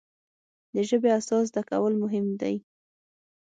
د ژبې اساس زده کول مهم دی.